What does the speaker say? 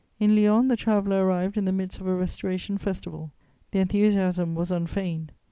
In Lyons, the traveller arrived in the midst of a Restoration festival. The enthusiasm was unfeigned.